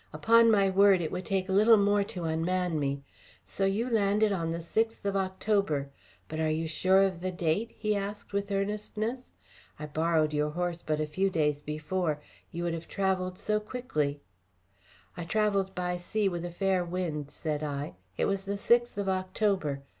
"Upon my word, it would take little more to unman me. So you landed on the sixth of October. But are you sure of the date?" he asked with earnestness. "I borrowed your horse but a few days before. You would hardly have travelled so quickly." "I travelled by sea with a fair wind," said I. "It was the sixth of October.